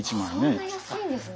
そんな安いんですね。